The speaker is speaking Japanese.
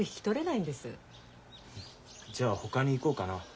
じゃあほかに行こうかな。